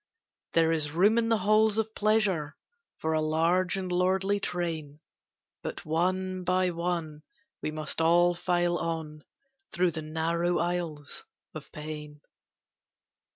There is room in the halls of pleasure For a large and lordly train, But one by one we must all file on Through the narrow aisles of pain.